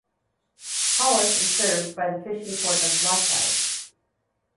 Polis is served by the fishing port of Latchi.